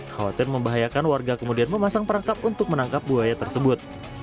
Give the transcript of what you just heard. khawatir membahayakan warga kemudian memasang perangkap untuk menangkap buaya tersebut